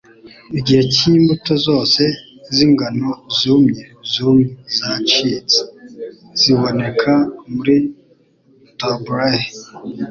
Igihe cyimbuto zose zingano zumye, zumye & zacitse; ziboneka muri tabbouleh